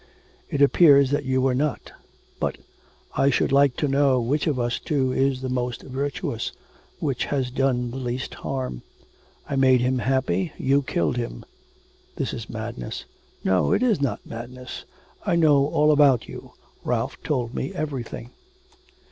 It appears that you were not. But, I should like to know which of us two is the most virtuous, which has done the least harm. I made him happy, you killed him.' 'This is madness.' 'No, it is not madness. I know all about you, Ralph told me everything.'